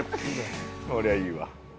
そりゃいいわ。